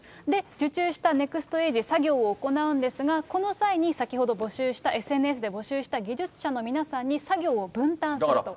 受注したネクストエージ、作業を行うんですが、この際に先ほど募集した、ＳＮＳで募集した技術者の皆さんに作業を分担すると。